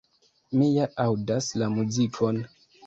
Mi ja aŭdas la muzikon!